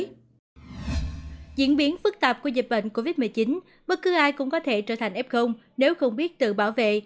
diễn biến phức tạp của dịch bệnh covid một mươi chín bất cứ ai cũng có thể trở thành f nếu không biết tự bảo vệ